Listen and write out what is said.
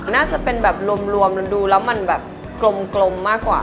น่าจะเป็นแบบรวมดูแล้วมันแบบกลมมากกว่า